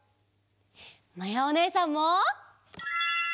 まやおねえさんも！